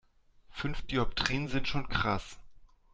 Fünf Dioptrien sind schon krass.